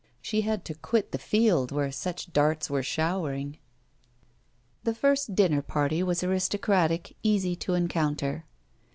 She had to quit the field where such darts were showering. The first dinner party was aristocratic, easy to encounter.